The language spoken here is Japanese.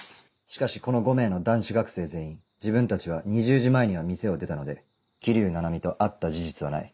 しかしこの５名の男子学生全員「自分たちは２０時前には店を出たので桐生菜々美と会った事実はない」。